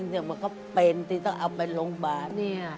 มันก็เป็นที่ต้องเอาไปโรงพยาบาล